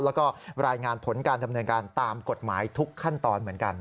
แล้วก็รายงานผลการดำเนินการตามกฎหมายทุกขั้นตอนเหมือนกัน